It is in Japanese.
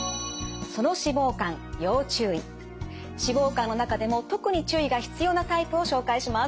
脂肪肝の中でも特に注意が必要なタイプを紹介します。